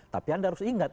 tapi anda harus ingat